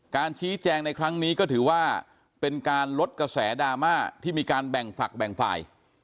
การชี้แจงในครั้งนี้ก็ถือว่าเป็นการลดกระแสดราม่าที่มีการแบ่งฝักแบ่งฝ่าย